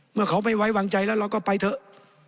เมื่อเขาไม่ไว้วางใจแล้วเราก็ไปเถอะ